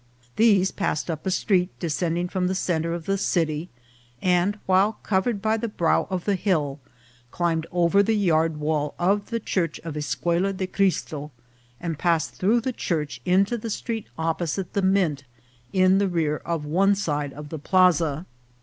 These passed up a street descending from the centre of the city, and, while cov ered by the brow of the hill, climbed over the yard wall of the Church of Escuela de Cristo, and passed through the church into the street opposite the mint, in the rear of one side of the plaza.